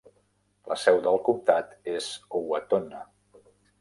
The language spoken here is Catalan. La seu del comtat és Owatonna.